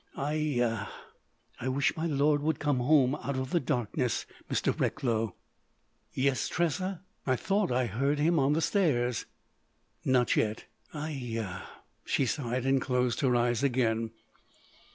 Aie a! I wish my lord would come home out of the darkness.... Mr. Recklow?" "Yes, Tressa." "I thought I heard him on the stairs." "Not yet." "Aie a!" she sighed and closed her eyes again.